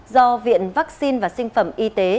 do viện vaccine và sinh phẩm y tế